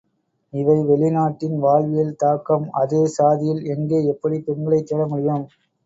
இவை வெளி நாட்டின் வாழ்வியல் தாக்கம் அதே சாதியில் அங்கே எப்படிப் பெண்களைத் தேடமுடியும்?